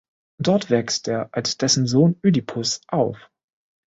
Dort wächst er als dessen Sohn Ödipus auf.